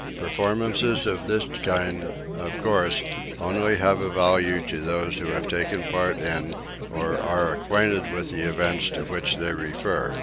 Performances of this kind, of course, only have a value to those who have taken part in or are acquainted with the events to which they refer.